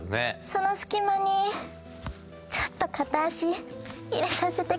その隙間にちょっと片足入れさせてくれへん？